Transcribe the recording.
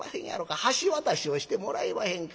橋渡しをしてもらえまへんか』